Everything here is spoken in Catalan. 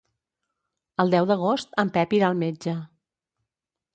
El deu d'agost en Pep irà al metge.